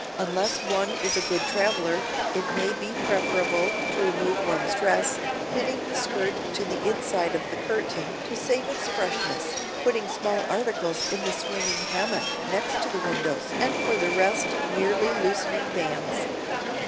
Unless one is a good traveler, it may be preferable to remove one's dress, pinning the skirt to the inside of the curtain to save its freshness, putting small articles in the swinging hammock next the windows and for the rest merely loosening bands.